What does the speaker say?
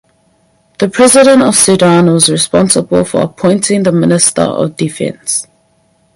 The President of Sudan was responsible for appointing the Minister of Defence.